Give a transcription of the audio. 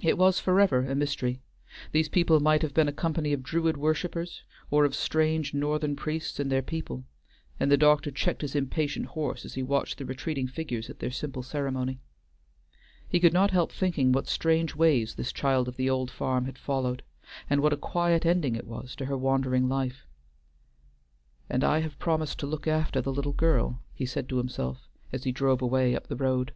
It was forever a mystery; these people might have been a company of Druid worshipers, or of strange northern priests and their people, and the doctor checked his impatient horse as he watched the retreating figures at their simple ceremony. He could not help thinking what strange ways this child of the old farm had followed, and what a quiet ending it was to her wandering life. "And I have promised to look after the little girl," he said to himself as he drove away up the road.